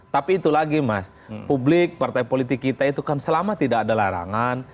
tapi itu lagi mas publik partai politik kita itu kan selama tidak ada larangan